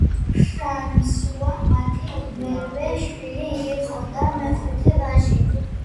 ფრანსუა მათი მერვე შვილი იყო და მეხუთე ვაჟი.